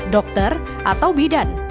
dokter atau bidan